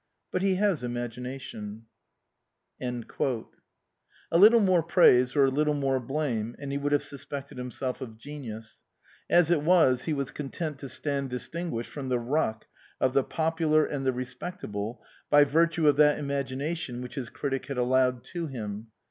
But he has imagination." A little more praise or a little more blame, and he would have suspected himself of genius ; as it was, he was content to stand distinguished from the ruck of the popular and the respectable by virtue of that imagination which his critic had allowed to him.